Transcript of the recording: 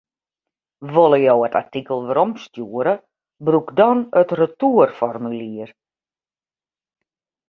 Wolle jo it artikel weromstjoere, brûk dan it retoerformulier.